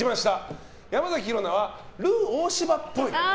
山崎紘菜はルー大柴っぽい。